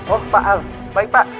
oh pak al baik pak